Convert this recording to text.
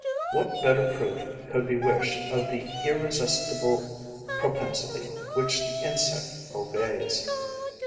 What better proof could be wished of the irresistible propensity which the insect obeys?